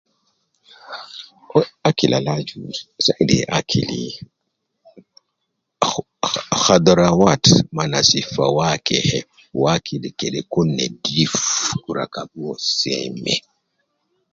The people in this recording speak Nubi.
aeh akili al aju uwo de akili akkk kadharawaat ma fawakih kede kun nedif seme